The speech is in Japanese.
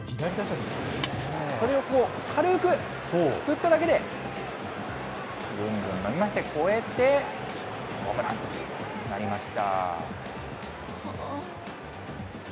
それをこう、軽く振っただけで、ぐんぐん伸びまして、越えて、ホームランとなりました。